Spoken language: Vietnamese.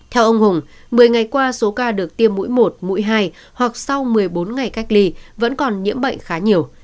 theo ông hùng một mươi ngày qua số ca được tiêm mũi một mũi hai hoặc sau một mươi bốn ngày cách ly vẫn còn nhiễm bệnh khá nhiều